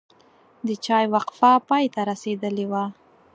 د چای وقفه پای ته رسیدلې وه.